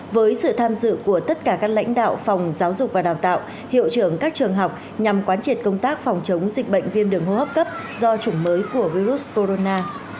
với sự tham dự của tất cả các lãnh đạo phòng giáo dục và đào tạo hiệu trưởng các trường học nhằm quán triệt công tác phòng chống dịch bệnh viêm đường hô hấp cấp do chủng mới của virus corona